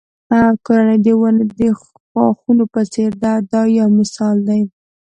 کورنۍ د ونې د ښاخونو په څېر ده دا یو مثال دی.